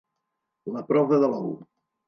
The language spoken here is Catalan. La prova de l'ou.